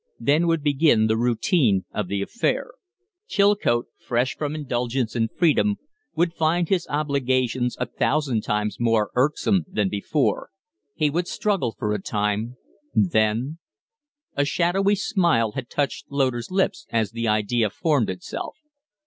Then would begin the routine of the affair. Chilcote, fresh from indulgence and freedom, would find his obligations a thousand times more irksome than before; he would struggle for a time; then A shadowy smile had touched Loder's lips as the idea formed itself.